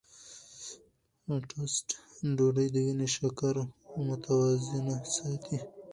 ټوسټ ډوډۍ د وینې شکره متوازنه ساتي.